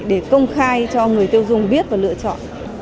để công khai cho người tiêu dùng biết và lựa chọn